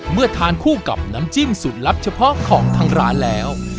เมื่อทานคู่กับน้ำจิ้มสูตรลับเฉพาะของทางร้านแล้ว